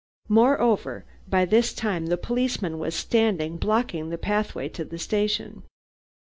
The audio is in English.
Moreover, by this time the policeman was standing blocking the pathway to the station.